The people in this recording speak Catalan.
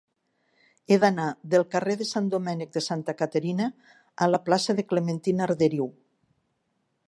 He d'anar del carrer de Sant Domènec de Santa Caterina a la plaça de Clementina Arderiu.